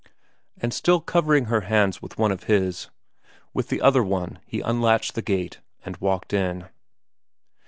And still covering her hands with one of his, with the other he unlatched the gate and walked in.